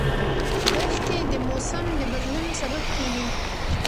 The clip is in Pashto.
دښتې د موسم د بدلون سبب کېږي.